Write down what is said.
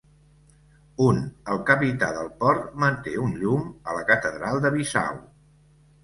Un el capità del port manté un llum a la catedral de Bissau.